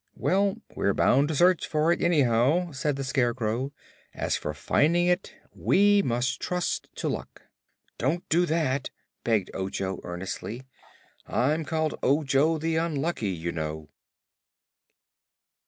"Well, we're bound to search for it, anyhow," said the Scarecrow. "As for finding it, we must trust to luck." "Don't do that," begged Ojo, earnestly. "I'm called Ojo the Unlucky, you know."